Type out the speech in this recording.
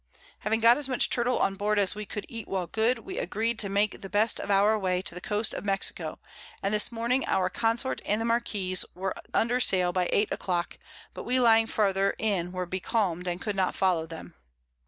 Having got as much Turtle on board, as we could eat while good, we agreed to make the best of our Way to the Coast of Mexico, and this Morning our Consort and the Marquiss were under Sail by 8 a Clock, but we lying farther in were becalm'd, and could not follow them.